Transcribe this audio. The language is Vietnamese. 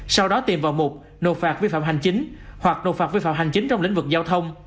sau đó tìm vào mục nộp phạt vi phạm hành chính hoặc nộp phạt vi phạm hành chính trong lĩnh vực giao thông